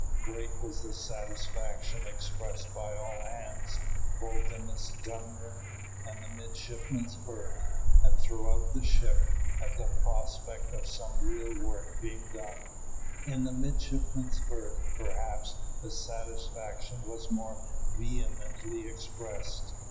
Great was the satisfaction expressed by all hands, both in the gun room and midshipmen's berth, and throughout the ship, at the prospect of some real work being done. In the midshipmen's berth, perhaps, the satisfaction was more vehemently expressed.